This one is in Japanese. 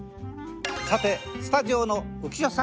さてスタジオの浮所さん。